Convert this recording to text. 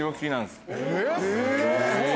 ・すごい！